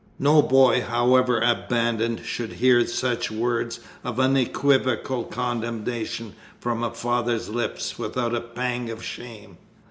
No boy, however abandoned, should hear such words of unequivocal condemnation from a father's lips without a pang of shame!"